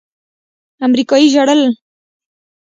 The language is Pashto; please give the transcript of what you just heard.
امريکايي ژړل.